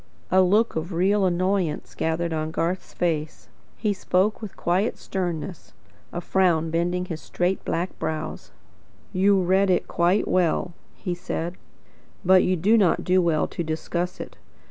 A look of real annoyance gathered upon Garth's face. He spoke with quiet sternness, a frown bending his straight black brows. "You read it quite well," he said, "but you do not do well to discuss it.